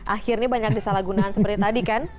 akhirnya banyak disalahgunaan seperti tadi kan